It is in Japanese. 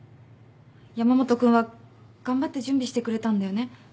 山本君は頑張って準備してくれたんだよね。